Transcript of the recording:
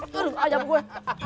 terus ayam gue